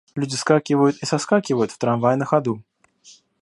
Люди вскакивают и соскакивают в трамвай на ходу.